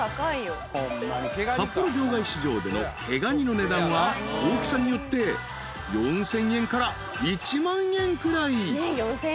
［札幌場外市場での毛ガニの値段は大きさによって４，０００円から１万円くらい］